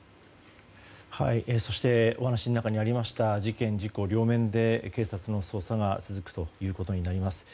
そしてお話の中にありました事件・事故両面で警察の捜査が続くということになります。